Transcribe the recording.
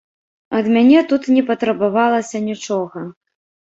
Ад мяне тут не патрабавалася нічога.